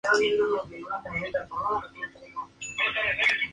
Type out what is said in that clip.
Otras obras incluyen un panfleto teológico anti-latino.